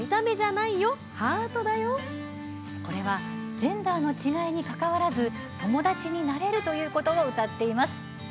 これはジェンダーの違いにかかわらず友達になれるということをうたっています。